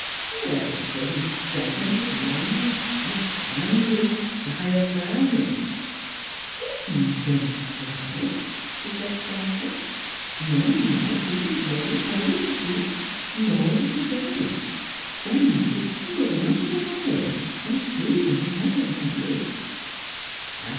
" How else shall he strengthen his lungs, expand his er diaphragm and '" Kittens don't cry," she said stoutly, " nor nice little roly poly puppies, nor little birds; their mothers cuddle them all the while and feed them whenever they like."